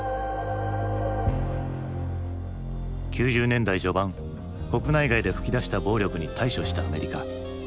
９０年代序盤国内外で噴き出した暴力に対処したアメリカ。